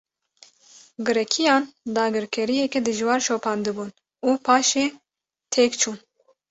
Grekiyan, dagirkeriyeke dijwar şopandibûn û paşê têk çûn